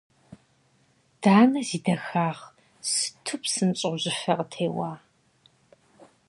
Данэ зи дахагъ, сыту псынщӏэу жьыфэ къытеуа.